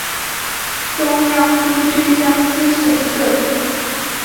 中央苏区江西省设。